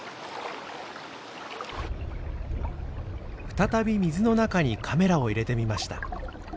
再び水の中にカメラを入れてみました。